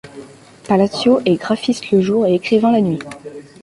Palacio est graphiste le jour et écrivain la nuit.